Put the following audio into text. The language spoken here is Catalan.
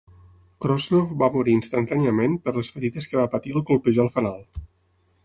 Krosnoff va morir instantàniament per les ferides que va patir al colpejar el fanal.